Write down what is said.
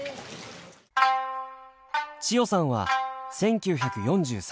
千代さんは１９４３年生まれ。